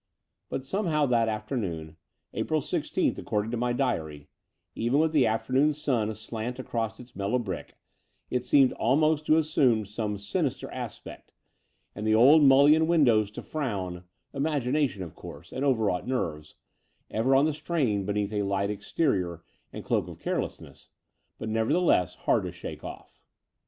But somehow that afternoon — ^April i6th accord ing to my diary — even with the afternoon sun aslant across its mellow brick, it seemed almost to have assumed some sinister aspect, and the old muUioned windows to frown— imagination, of course, and overwrought nerves, ever on the strain beneath a light exterior and cloak of carelessness, but nevertheless hard to shake off.